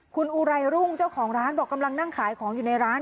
คุณอุไรรุ่งเจ้าของร้านบอกกำลังนั่งขายของอยู่ในร้าน